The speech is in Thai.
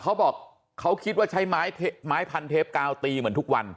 เขาบอกเขาคิดว่าใช้ไม้พันเทปกาวตีเหมือนทุกวัน